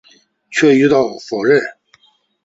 却遭到否认。